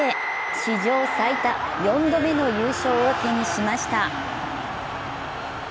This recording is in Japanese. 史上最多４度目の優勝を手にしました。